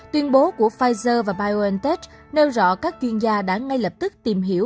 tuyên bố của pfizer và biontech nêu rõ các chuyên gia đã ngay lập tức tìm hiểu